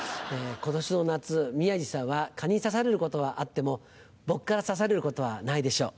今年の夏宮治さんは蚊に刺されることはあっても僕から指されることはないでしょう。